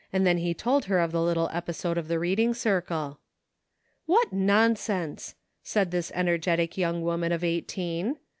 Then he told her the little episode of the reading circle. "What nonsense," said this energetic young ^ woman of eighteen.